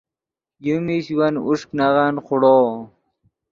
یو میش ون اوݰک نغن خوڑو